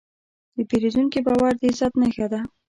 د پیرودونکي باور د عزت نښه ده.